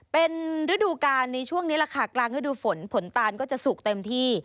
เป็นฤดูกาลในช่วงนี้แหละค่ะกลางฤดูฝนผลตานก็จะสุกเต็มที่